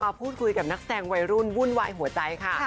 พูดคุยกับนักแซงวัยรุ่นวุ่นวายหัวใจค่ะ